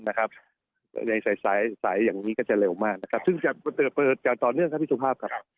ในสายอย่างนี้ก็จะเร็วมากนะครับซึ่งจะเปิดอย่างต่อเนื่องครับพี่สุภาพครับ